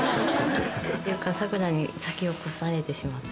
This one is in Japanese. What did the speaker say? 咲楽に先を越されてしまった。